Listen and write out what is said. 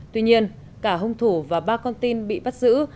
tuy nhiên cả hung thủ và ba con tin bị bắt giữ